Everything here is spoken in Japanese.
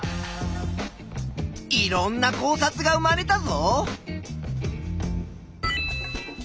いろんな考察が生まれたぞ。